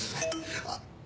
あっ。